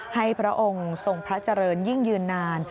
พระองค์ทรงพระเจริญยิ่งยืนนาน